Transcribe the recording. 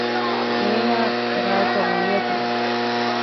އޭނާ ގާތަށް ރުޅިއަތުވެއްޖެ